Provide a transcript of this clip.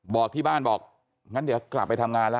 บอกที่บ้านบอกงั้นเดี๋ยวกลับไปทำงานแล้ว